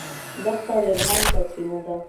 دښته د الهام سرچینه ده.